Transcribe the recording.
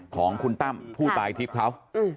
ของคุณตั้มผู้ตายคลิปเขา